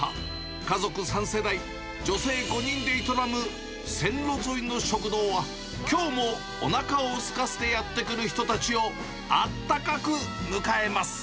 家族３世代、女性５人で営む線路沿いの食堂は、きょうもおなかをすかせてやって来る人たちをあったかく迎えます。